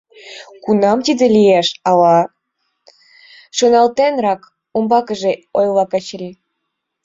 — Кунам тиде лиеш, ала? — шоналтенрак умбакыже ойла Качырий.